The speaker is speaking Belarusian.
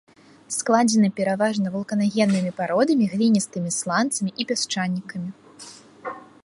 Складзены пераважна вулканагеннымі пародамі, гліністымі сланцамі і пясчанікамі.